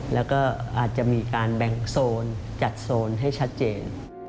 แล้วก็อาจจะมีการแบ่งโซนจัดโซนให้ชัดเจน